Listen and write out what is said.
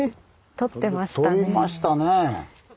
とりましたね！